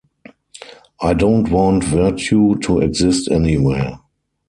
I don't want virtue to exist anywhere.